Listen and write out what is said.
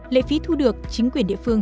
lệ phí thu được chính quyền địa phương